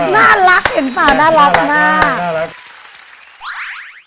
น่ารักเห็นฝาน่ารัก